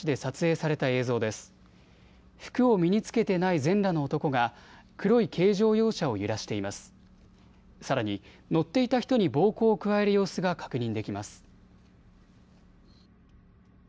さらに乗っていた人に暴行を加える様子が確認できます。